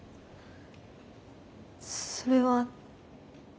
それは。